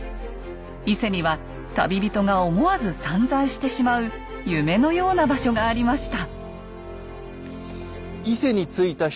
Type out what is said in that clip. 伊勢には旅人が思わず散財してしまう夢のような場所がありました。